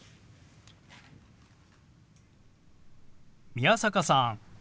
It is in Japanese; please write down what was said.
宮坂さん